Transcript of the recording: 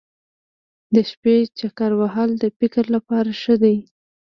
د شپې چکر وهل د فکر لپاره ښه دي.